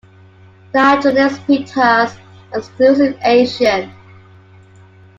The "Hydrornis" pittas are exclusively Asian.